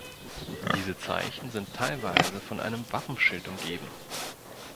Diese Zeichen sind teilweise von einem Wappenschild umgeben.